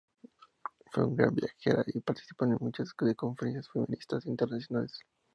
Fue un gran viajera y ha participado en muchas de conferencias feminista internacionales.